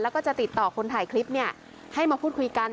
แล้วก็จะติดต่อคนถ่ายคลิปให้มาพูดคุยกัน